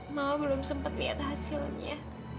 mau belum sempat lihat hasilnya